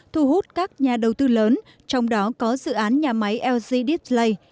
thu hút các nhà đầu tư lớn trong đó có dự án nhà máy lg deepplay